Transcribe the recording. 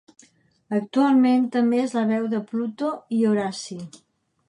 Actualment, també és la veu de Pluto i Horaci.